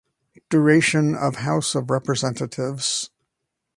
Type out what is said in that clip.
Duration of House of Representatives